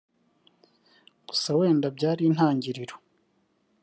Gusa wenda byari intangiriro